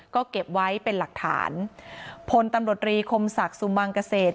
ก็เก็บไว้เป็นหลักฐานพลตำรวจรีคมศักดิ์สุมังเกษตร